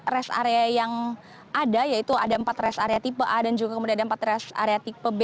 rest area yang ada yaitu ada empat rest area tipe a dan juga kemudian ada empat rest area tipe b